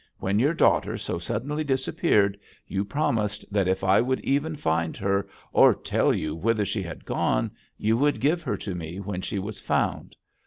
When your daughter so suddenly disappeared you promised that if I would even find her, or tell you whither she had gone, you would give her to me when she was found.